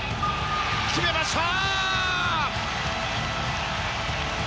決めました！